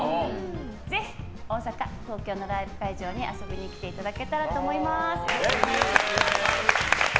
ぜひ、大阪、東京のライブ会場に遊びに来ていただけたらと思います。